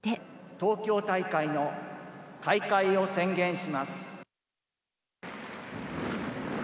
東京大会の開会を宣言します。